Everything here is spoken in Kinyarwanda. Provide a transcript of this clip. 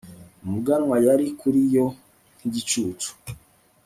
umuganwa yari kuri yo nk'igicucu